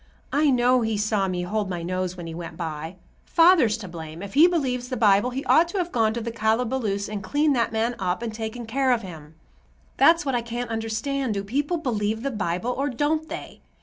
I know he saw me hold my nose when he went by. Father's to blame. If he believes the Bible, he ought to have gone to the calaboose and cleaned that man up and taken care of him. That's what I can't understand; do people believe the Bible, or don't they?